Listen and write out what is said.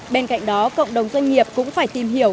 bên cạnh đó cộng đồng doanh nghiệp cũng phải tìm hiểu